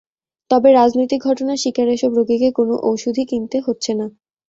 তবে রাজনৈতিক ঘটনার শিকার এসব রোগীকে কোনো ওষুধই কিনতে হচ্ছে না।